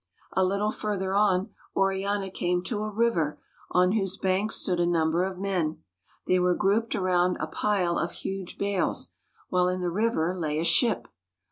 A little further on Oriana came to a river on whose banks stood a number of men. They were grouped around a pile of huge bales, while in the river lay a ship.